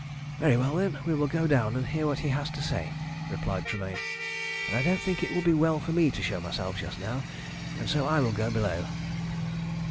"Very well, then, we will go down and hear what he has to say," replied Tremayne. "But I don't think it would be well for me to show myself just now, and so I will go below."